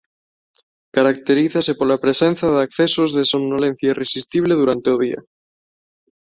Caracterízase pola presenza de accesos de somnolencia irresistible durante o día.